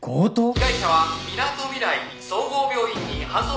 「被害者はみなとみらい総合病院に搬送中」